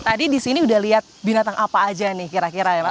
tadi di sini udah lihat binatang apa aja nih kira kira ya pak